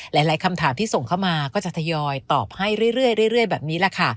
หลายคำถามที่ส่งเข้ามาก็จะทยอยตอบให้เรื่อยแบบนี้แหละค่ะ